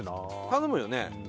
頼むよね。